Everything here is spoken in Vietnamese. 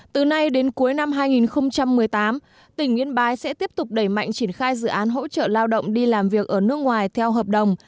từ nay đến cuối năm hai nghìn một mươi tám tỉnh yên bái sẽ tiếp tục đẩy mạnh triển khai dự án hỗ trợ lao động đi làm việc ở nước ngoài theo hợp đồng